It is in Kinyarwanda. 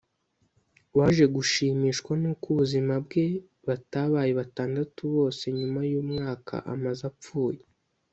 waje gushimishwa n’uko ubuzima bwe batabaye batandatu bose nyuma y’umwaka amaze apfuye